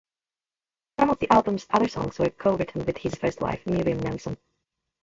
Some of the album's other songs were co-written with his first wife, Myriam Nelson.